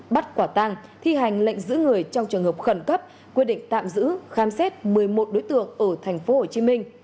bắt quả tang thi hành lệnh giữ người trong trường hợp khẩn cấp quyết định tạm giữ khám xét một mươi một đối tượng ở tp hcm